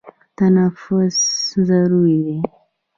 تنفس ضروري دی.